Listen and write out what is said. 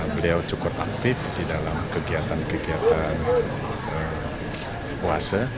beliau cukup aktif di dalam kegiatan kegiatan puasa